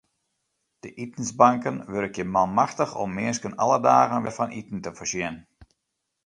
De itensbanken wurkje manmachtich om minsken alle dagen wer fan iten te foarsjen.